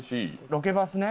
ロケバスね。